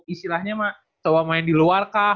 istilahnya coba main di luar kah